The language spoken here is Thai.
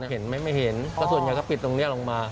เห็นไหมไม่เห็นก็ส่วนใหญ่ก็ปิดตรงนี้ลงมา